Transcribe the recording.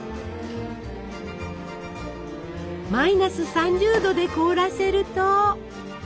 マイナス３０℃で凍らせると。